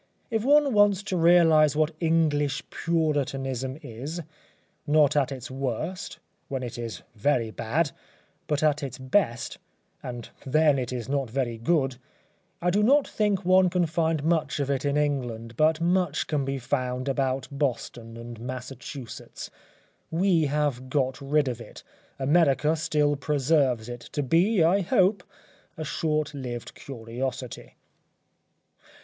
If one wants to realise what English Puritanism is not at its worst (when it is very bad), but at its best, and then it is not very good I do not think one can find much of it in England, but much can be found about Boston and Massachusetts. We have got rid of it. America still preserves it, to be, I hope, a short lived curiosity.